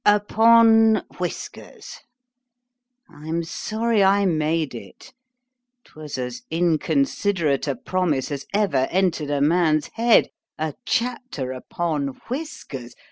UPON WHISKERS. I'm sorry I made it——'twas as inconsiderate a promise as ever entered a man's head——A chapter upon whiskers!